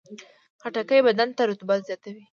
خټکی بدن ته رطوبت زیاتوي.